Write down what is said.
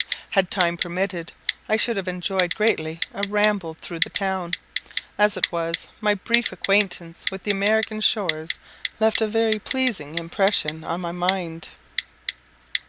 Had time permitted, I should have enjoyed greatly a ramble through the town; as it was, my brief acquaintance with the American shores left a very pleasing impression on my mind.